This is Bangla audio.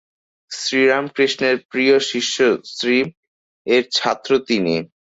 শ্রীরামকৃষ্ণের প্রিয় শিষ্য শ্রীম-র ছাত্র তিনি।